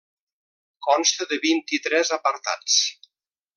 Consta de vint-i-tres apartats.